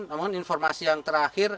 namun informasi yang terakhir